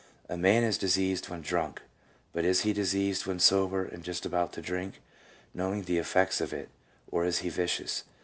" A man is diseased when drunk, but is he diseased when sober and just about to drink, knowing the effects of it, or is he vicious?